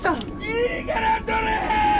いいから撮れ！